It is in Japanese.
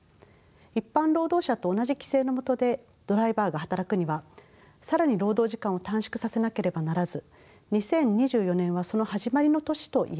一般労働者と同じ規制のもとでドライバーが働くには更に労働時間を短縮させなければならず２０２４年はその始まりの年といえます。